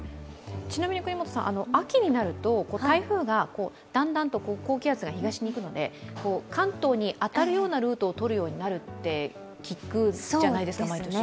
ちなみに國本さん、秋になると台風がだんだんと高気圧が東に行くので関東に当たるようなルートをとるようになると聞くじゃないですか、毎年。